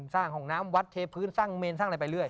ห้องน้ำวัดเทพื้นสร้างเมนสร้างอะไรไปเรื่อย